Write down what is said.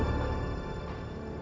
terima kasih bu